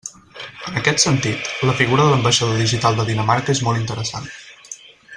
En aquest sentit, la figura de l'ambaixador digital de Dinamarca és molt interessant.